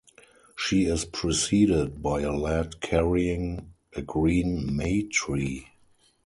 She is preceded by a lad carrying a green May-tree.